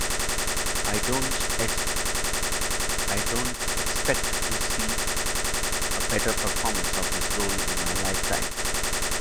I don't expect to see a better performance of this role in my lifetime.